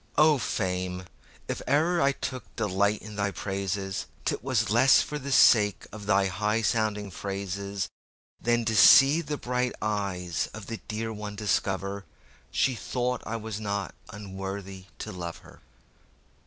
O Fame! if I e'er took delight in thy praises,'Twas less for the sake of thy high sounding phrases, Than to see the bright eyes of the dear one discoverShe thought that I was not unworthy to love her.